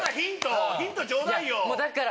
もうだから。